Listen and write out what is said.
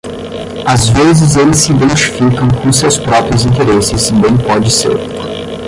Às vezes eles se identificam com seus próprios interesses, bem pode ser.